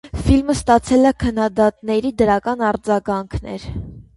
Ֆիլմը ստացել է քննադատների դրական արձագանքներ։